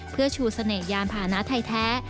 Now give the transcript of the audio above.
เพื่อชูเสน่หยานพานะไทยแท้